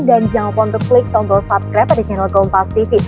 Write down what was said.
dan jangan lupa untuk klik tombol subscribe pada channel kompastv